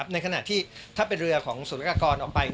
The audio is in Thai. ในขณะที่ถ้าเป็นเรือของศูนยากากรออกไป